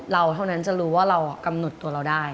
เท่านั้นจะรู้ว่าเรากำหนดตัวเราได้